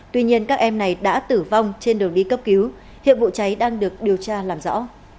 tuy nhiên các em này đã tử vong trên đường đi cấp cứu hiện vụ cháy đang được điều tra làm rõ